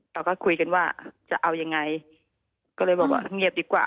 เราก็คุยกันว่าจะเอายังไงก็เลยบอกว่าเงียบดีกว่า